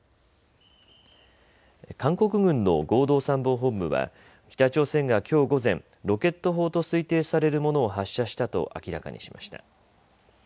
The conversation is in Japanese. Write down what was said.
韓国軍の合同参謀本部は北朝鮮がきょう午前、ロケット砲と推定されるものを発射したと明らかにしました。